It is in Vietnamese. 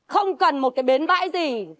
không cần một cái bến vãi gì